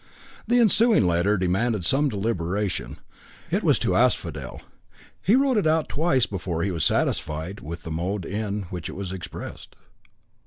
The ensuing letter demanded some deliberation. It was to Asphodel. He wrote it out twice before he was satisfied with the mode in which it was expressed.